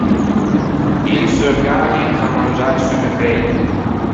I lençeu cadi fan mangiâ e suppe freide.